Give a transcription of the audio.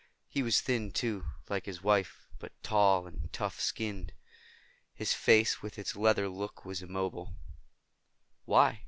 He was thin, too, like his wife, but tall and tough skinned. His face, with its leather look was immobile. "Why?"